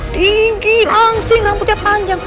tinggi langsing rambutnya panjang